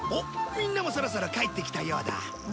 みんなもそろそろ帰ってきたようだ。